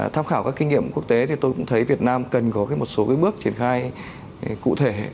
tham khảo các kinh nghiệm quốc tế thì tôi cũng thấy việt nam cần có một số bước triển khai cụ thể